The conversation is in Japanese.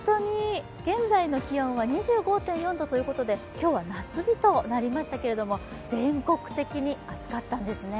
現在の気温は２５．４度ということで今日は夏日となりましたけれども全国的に暑かったんですよね。